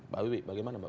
baik bagaimana mbak wi